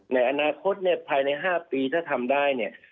ในอนาคตภายใน๕ปีถ้าทำได้